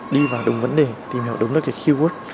đi vào đúng vấn đề tìm hiểu đúng là cái keyword